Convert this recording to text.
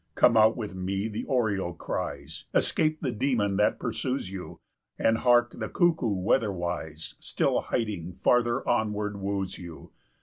"Come out! with me the oriole cries, 25 Escape the demon that pursues you! And, hark, the cuckoo weatherwise, Still hiding, farther onward wooes you."